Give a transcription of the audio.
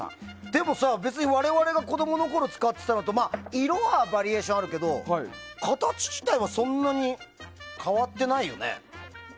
でも、別に我々が子供のころ使ってたのと色はバリエーションあるけど形自体はそんなに変わってないよね。